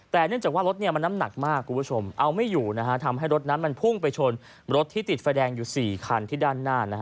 แต่เนื่องจากว่ารถมันน้ำหนักมากคุณผู้ชมเอาไม่อยู่นะฮะทำให้รถนั้นมันพุ่งไปชนรถที่ติดไฟแดงอยู่๔คันที่ด้านหน้า